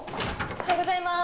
おはようございます。